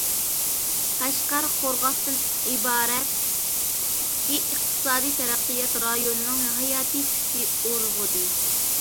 قەشقەر، قورغاستىن ئىبارەت ئىككى ئىقتىسادىي تەرەققىيات رايونىنىڭ ھاياتىي كۈچى ئۇرغۇدى.